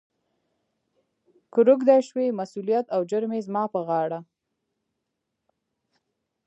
« کهٔ روږدی شوې، مسولیت او جرم یې زما پهٔ غاړه. »